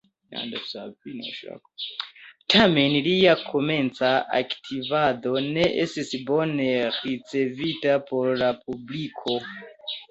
Tamen lia komenca aktivado ne estis bone ricevita por la publiko.